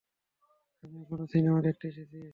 আমি এখানে সিনেমা দেখতে এসেছি।